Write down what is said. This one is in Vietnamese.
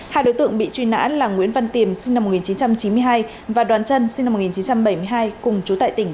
hai đối tượng bị truy nã là nguyễn văn tiềm sinh năm một nghìn chín trăm chín mươi hai và đoàn trân sinh năm một nghìn chín trăm bảy mươi hai cùng chú tại tỉnh